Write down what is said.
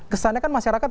kesannya kan masyarakat